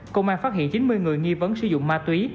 công an phát hiện chín mươi người nghi vấn sử dụng ma túy